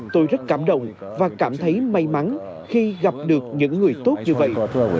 tôi rất cảm động và cảm thấy may mắn khi gặp được những người tốt như vậy